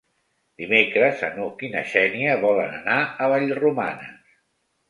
Dimecres n'Hug i na Xènia volen anar a Vallromanes.